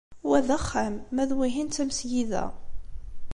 Wa d axxam ma d wihin d tamesgida.